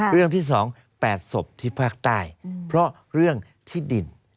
เรื่องที่๒๘ศพที่ภาคใต้เพราะเรื่องที่ดิน